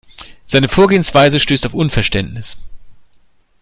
Seine Vorgehensweise stößt auf Unverständnis.